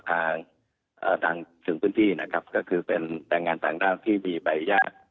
ทางถึงพื้นที่นะครับก็คือเป็นแรงงานต่างด้าวที่มีใบอนุญาต